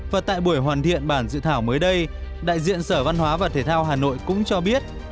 và tại buổi hoàn thiện bản dự thảo mới đây đại diện sở văn hóa và thể thao hà nội cũng cho biết